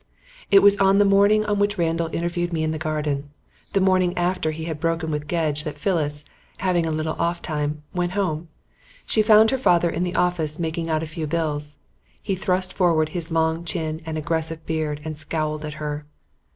It was on the morning on which Randall interviewed me in the garden, the morning after he had broken with Gedge, that Phyllis, having a little off time, went home. She found her father in the office making out a few bills. He thrust forward his long chin and aggressive beard and scowled at her.